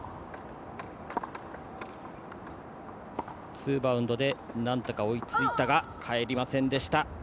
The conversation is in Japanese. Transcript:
ツーバウンドで追いついたが返りませんでした。